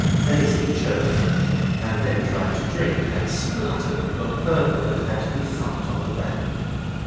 Daisy choked and then tried to drink, and spluttered and got purple, and had to be thumped on the back.